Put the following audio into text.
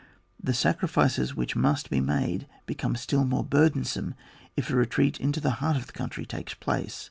The sacrifices which must be made become still more burdensome if a re treat into the heart of the country takes place.